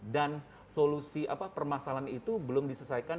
dan solusi permasalahan itu belum diselesaikan